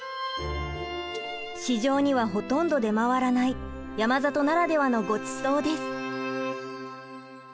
市場にはほとんど出回らない山里ならではのごちそうです。